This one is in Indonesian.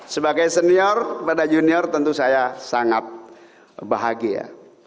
sebagai senior kepada junior tentu saya sangat bahagia